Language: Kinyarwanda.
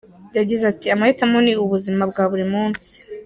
Yagize ati "Amahitamo ni ubuzima bwa buri munsi.